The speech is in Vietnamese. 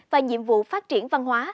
và nhiệm vụ phát triển văn hóa